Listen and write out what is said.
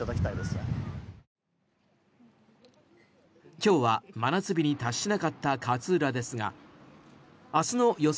今日は真夏日に達しなかった勝浦ですが明日の予想